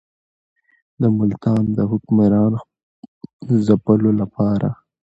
د ملتان د حکمران ځپلو لپاره.